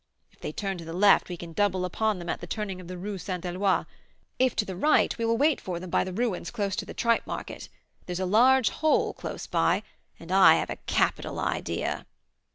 If they turn to the left, we can double upon them at the turning of the Rue Saint Eloi; if to the right, we will wait for them by the ruins close to the tripe market. There's a large hole close by, and I have a capital idea."